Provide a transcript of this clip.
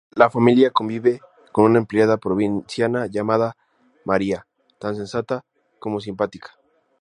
La familia convive con una empleada provinciana llamada María, tan sensata como simpática.